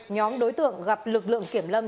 nhóm đối tượng gặp lực lượng kiểm lâm